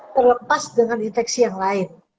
terlepas dengan infeksi yang lain